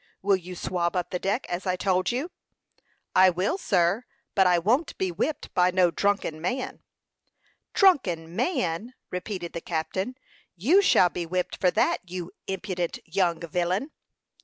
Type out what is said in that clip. "Will you swab up the deck, as I told you?" "I will, sir; but I won't be whipped by no drunken man. "Drunken man!" repeated the captain. "You shall be whipped for that, you impudent young villain!"